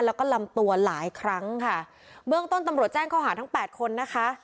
แล้วก็ลำตัวหลายครั้งค่ะเบื้องต้นตำรวจแจ้งข้อหาทั้งแปดคนนะคะ